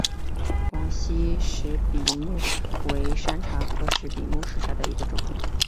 广西石笔木为山茶科石笔木属下的一个种。